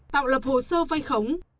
tạo lập hồ sơ vay khống